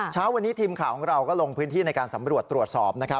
เช้าวันนี้ทีมข่าวของเราก็ลงพื้นที่ในการสำรวจตรวจสอบ